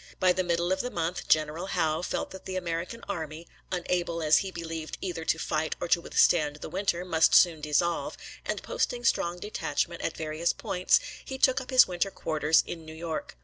By the middle of the month General Howe felt that the American army, unable as he believed either to fight or to withstand the winter, must soon dissolve, and, posting strong detachments at various points, he took up his winter quarters in New York.